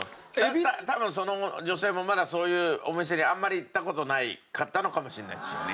多分その女性もまだそういうお店にあんまり行った事なかったのかもしれないですよね。